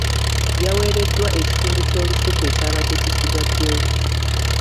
Yaweereddwa ekitundu ky'olusuku ekyabadde kisigaddewo.